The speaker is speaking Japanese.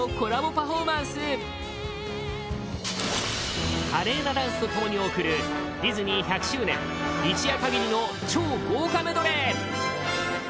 パフォーマンス華麗なダンスと共に贈るディズニー１００周年一夜限りの超豪華メドレー！